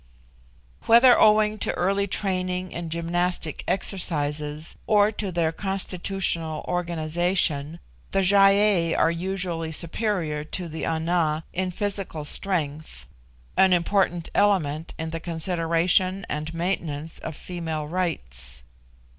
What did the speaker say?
Whether owing to early training in gymnastic exercises, or to their constitutional organisation, the Gy ei are usually superior to the Ana in physical strength (an important element in the consideration and maintenance of female rights).